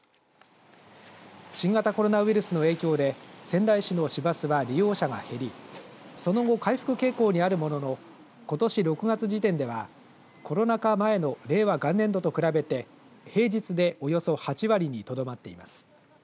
新型コロナウイルスの影響で仙台市の市バスは利用者が減りその後、回復傾向にあるもののことし６月時点ではコロナ禍前の令和元年度と比べて平日でおよそ８割にとどまっています。